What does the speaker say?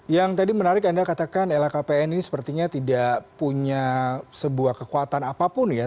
yang tadi menarik anda katakan lhkpn ini sepertinya tidak punya sebuah kekuatan apapun ya